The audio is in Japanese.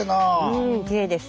うんきれいです。